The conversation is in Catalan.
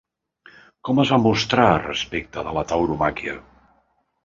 Com es va mostrar respecte de la tauromàquia?